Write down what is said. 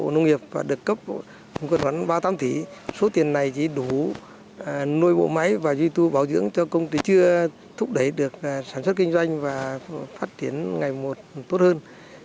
nông nghiệp và được cấp khoảng ba mươi tám tỷ số tiền này chỉ đủ nuôi bộ máy và duy tu bảo dưỡng cho công ty chưa thúc đẩy được sản xuất kinh doanh và phát triển ngày một tốt hơn